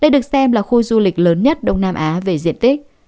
đây được xem là khu du lịch lớn nhất đông nam á về diện tích